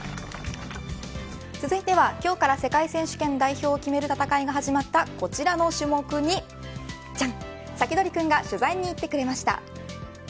続いては今日から世界選手権代表を決める戦いが始まったこちらの種目にサキドリくんが取材に行ってくれました。